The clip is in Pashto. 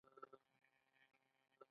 ایا زما مفصلونه روغ دي؟